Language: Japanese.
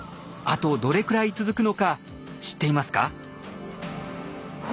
あとどれくらい続くのか知っていますか？